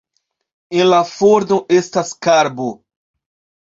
En la forno estas karbo.